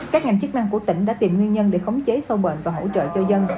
các ngành chức năng của tỉnh đã tìm nguyên nhân để khống chế sâu bệnh và hỗ trợ cho dân